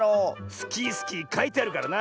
「スキースキー」かいてあるからな。